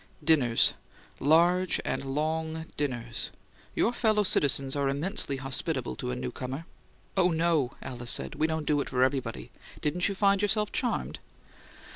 "Dinners. Large and long dinners. Your fellow citizens are immensely hospitable to a newcomer." "Oh, no," Alice said. "We don't do it for everybody. Didn't you find yourself charmed?"